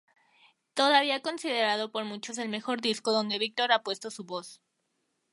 Todavía considerado por muchos el mejor disco donde Víctor ha puesto su voz.